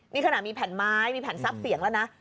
นี่ขนาดมีแผ่นไม้มีแผ่นทรัพย์เสียงแล้วนะ